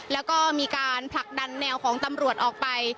แล้วก็มีการผลักดันแนวของตำรวจออกไป